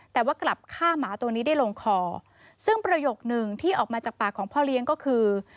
แต่ว่ากลับฆ่าหมาตัวนี้ได้ลงคอซึ่งประโยคนึงที่ออกมาจากปากของพ่อเลี้ยงก็คือ